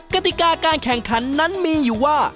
กติกาการแข่งขันนั้นมีอยู่ว่า